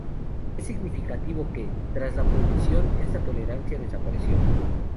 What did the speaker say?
Es significativo que, tras la prohibición, esta tolerancia desapareció.